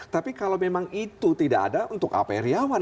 tapi kalau memang itu tidak ada untuk ap iryawan